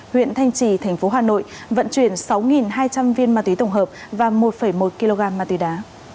huyện thanh trì tp hcm vận chuyển sáu hai trăm linh viên ma túy tổng hợp và một một kg ma túy đá